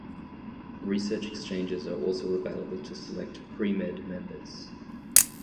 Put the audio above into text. Research exchanges are also available to select pre-med members.